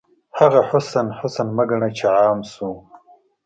هغه حسن، حسن مه ګڼه چې عام شو